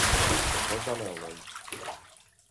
On va anar el noi?